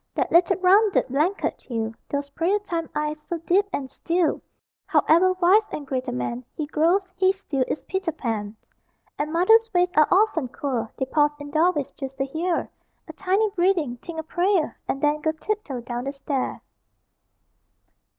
That little rounded blanket hill; Those prayer time eyes, so deep and still However wise and great a man He grows, he still is Peter Pan. And mothers' ways are often queer: They pause in doorways, just to hear A tiny breathing; think a prayer; And then go tiptoe down the stair.